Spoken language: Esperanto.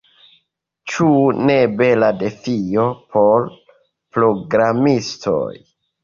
Ĉu ne bela defio por programistoj?